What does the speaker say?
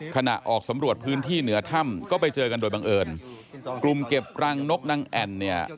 ขณะออกสำรวจพื้นที่เหนือถ้ำก็ไปเจอกันโดยบังเอิญกลุ่มเก็บรังนกนางแอ่นเนี่ย